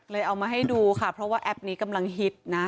เอามาให้ดูค่ะเพราะว่าแอปนี้กำลังฮิตนะ